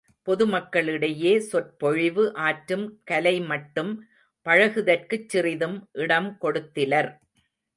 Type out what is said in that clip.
பொதுமக்களிடையே சொற்பொழிவு ஆற்றும் கலைமட்டும் பழகுதற்குச் சிறிதும் இடம்கொடுத்திலர்.